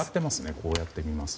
こうやって見ると。